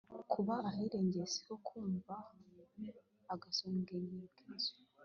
Kuba ahirengeye si ko kwumva-Agasongero k'inzu.